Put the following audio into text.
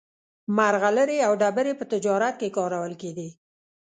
مرغلرې او ډبرې په تجارت کې کارول کېدې.